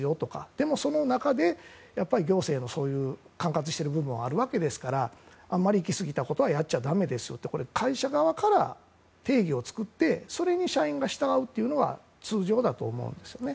でも、その中でやっぱり行政の管轄している部分はあるわけですからあまり行き過ぎたことはやっちゃだめですとこれは会社側から定義を作ってそれに社員が従うのが通常だと思うんですよね。